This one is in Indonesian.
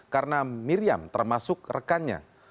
karena miriam termasuk rekannya